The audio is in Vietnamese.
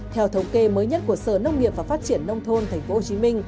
theo thống kê mới nhất của sở nông nghiệp và phát triển nông thôn tp hcm